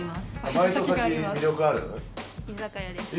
バイト先魅力ある？居酒屋？